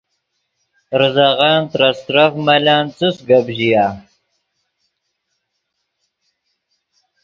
ریزغن ترے استرف ملن څس گپ ژیا